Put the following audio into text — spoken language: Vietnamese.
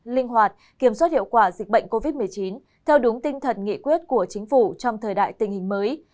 linh hoạt kiểm soát hiệu quả dịch bệnh covid một mươi chín theo đúng tinh thần nghị quyết của chính phủ trong thời đại tình hình mới